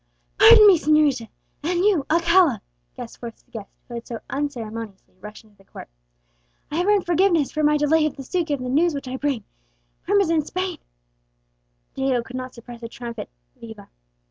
"Pardon me, señorita, and you, Alcala," gasped forth the guest who had so unceremoniously rushed into the court; "I have earned forgiveness for my delay for the sake of the news which I bring. Prim is in Spain " Diego could not suppress a triumphant viva.